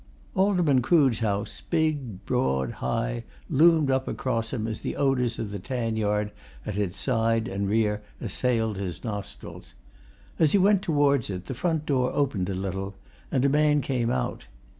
Alderman Crood's house, big, broad, high, loomed up across him as the odours of the tan yard at its side and rear assailed his nostrils. As he went towards it, the front door opened a little, and a man came out.